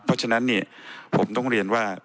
เพราะฉะนั้นเนี่ยผมต้องเรียนว่า